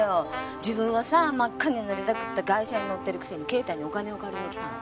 自分はさ真っ赤に塗りたくった外車に乗ってるくせに啓太にお金を借りに来たの。